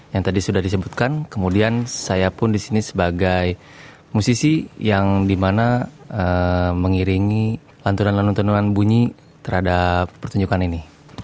yang tadi sudah disebutkan kemudian saya pun di sini sebagai musisi yang dimana mengiringi lantunan lantunan bunyi terhadap pertunjukan ini